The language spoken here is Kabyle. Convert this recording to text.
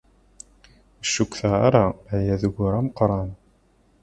Ur cukkteɣ ara aya d ugur ameqran.